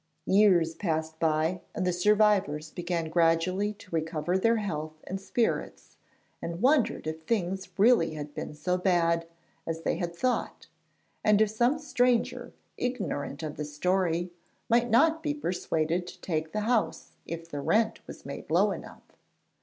Years passed by, and the survivors began gradually to recover their health and spirits, and wondered if things had really been so bad as they had thought, and if some stranger, ignorant of the story, might not be persuaded to take the house if the rent was made low enough.